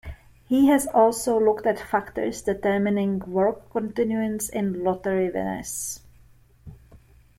He has also looked at factors determining work continuance in lottery winners.